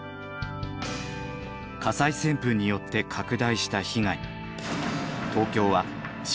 火災旋風によって拡大した被害。